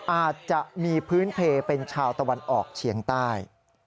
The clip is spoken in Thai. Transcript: อาจจะมีพื้นเพลเป็นชาวตะวันออกเฉียงใต้